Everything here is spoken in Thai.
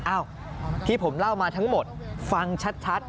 อ้าวที่ผมเล่ามาทั้งหมดฟังชัด